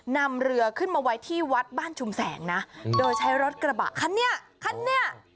นำเรือขึ้นมาไว้ที่วัดบ้านชุมแสงนะโดยใช้รถกระบะคันนี้คันนี้